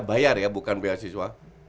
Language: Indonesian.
bayar ya bukan beasiswa